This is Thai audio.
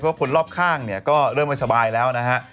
เพราะคนรอบข้างเนี่ยก็เริ่มไม่สบายแล้วนะฮะ